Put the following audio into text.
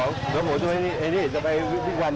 นี่ไงมาเสือของ